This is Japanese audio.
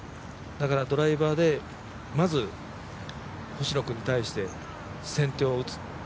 だからドライバーでまず星野君に対して先手を打つ。